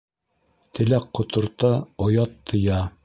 Теләк ҡоторта, оят тыя.